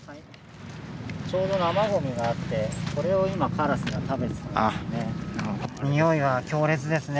ちょうど生ごみがあって、これを今、カラスが食べてたんですね。